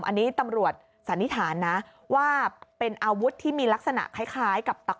อันนี้ตำรวจสันนิษฐานนะว่าเป็นอาวุธที่มีลักษณะคล้ายกับตัก